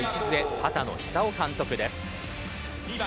畑野久雄監督です。